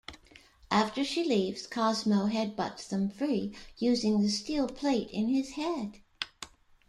After she leaves, Cosmo head-butts them free, using the steel plate in his head.